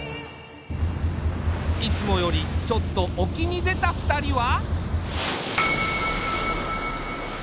いつもよりちょっと沖に出た２人は。